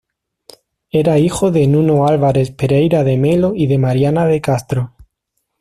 Era hijo de Nuno Álvares Pereira de Melo y de Mariana de Castro.